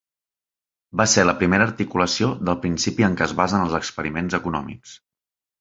Va ser la primera articulació del principi en què es basen els experiments econòmics.